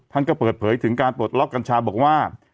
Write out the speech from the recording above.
ท่านก็เปิดเผยถึงการปลดล็อกกัญชาบอกว่า